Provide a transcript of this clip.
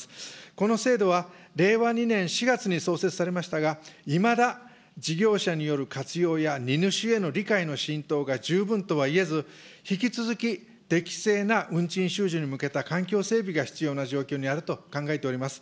この制度は、令和２年４月に創設されましたが、いまだ事業者による活用や荷主への理解の浸透が十分とは言えず、引き続き適正な運賃収受に向けた環境整備が必要な状況にあると考えております。